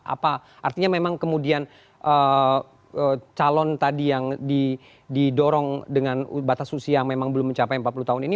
apa artinya memang kemudian calon tadi yang didorong dengan batas usia yang memang belum mencapai empat puluh tahun ini